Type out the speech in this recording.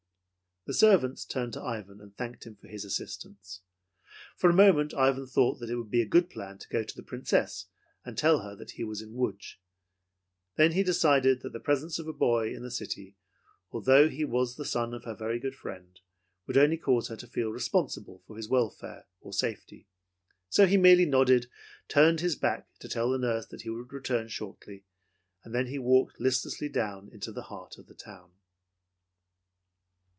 The servants turned to Ivan and thanked him for his assistance. For a moment Ivan thought that it would be a good plan to go to the Princess, and tell her that he was in Lodz. Then he decided that the presence of a boy in the city, although he was the son of her very good friend, would only cause her to feel responsible for his welfare or safety; so he merely nodded, turned his back to tell the nurse that he would return shortly, and then he walked listlessly down into the heart of the town.